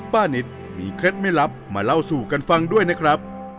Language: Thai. นิดมีเคล็ดไม่ลับมาเล่าสู่กันฟังด้วยนะครับ